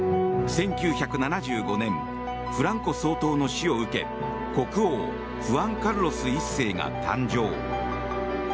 １９７５年フランコ総統の死を受け国王フアン・カルロス１世が誕生。